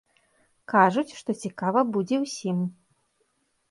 Кажуць, што цікава будзе ўсім.